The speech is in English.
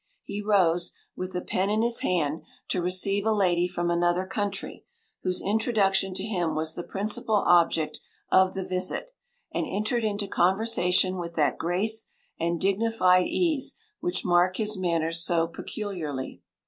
He rose, with the pen in his hand, to receive a lady from another country, whose introduction to him was the principal object of the visit, and entered into conversation with that grace and dignified ease which mark his manners so peculiarly.